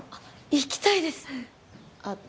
行きたいですあっ